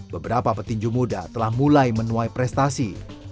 beberapa petinju muda telah mulai menuai prestasi